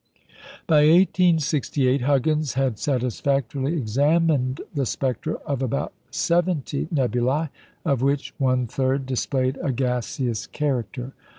By 1868 Huggins had satisfactorily examined the spectra of about seventy nebulæ, of which one third displayed a gaseous character.